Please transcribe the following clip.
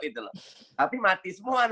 tapi mati semua nanti